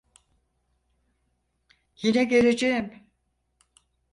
Yine geleceğim.